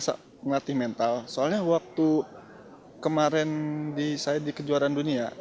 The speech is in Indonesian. yang pertama adalah krim krim di maju hari ini nah